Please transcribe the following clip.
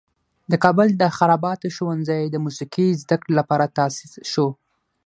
د کابل د خراباتو ښوونځی د موسیقي زده کړې لپاره تاسیس شو.